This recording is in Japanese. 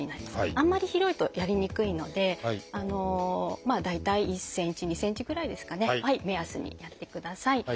あんまり広いとやりにくいのでまあ大体１ｃｍ２ｃｍぐらいですかね目安にやってください。